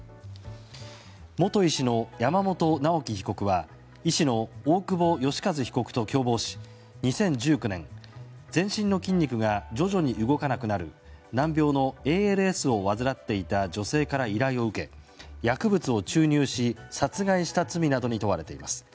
元医師の山本直樹被告は医師の大久保愉一被告と共謀し２０１９年、全身の筋肉が徐々に動かなくなる難病のＡＬＳを患っていた女性から依頼を受け薬物を注入し殺害した罪などに問われています。